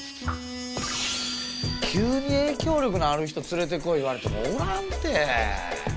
急に影響力のある人連れてこい言われてもおらんて。